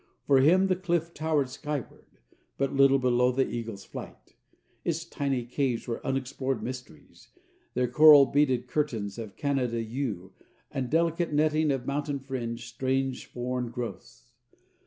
For him the cliff towered skyward but little below the eagle's flight; its tiny caves were unexplored mysteries, their coral beaded curtains of Canada yew and delicate netting of mountain fringe strange foreign growths.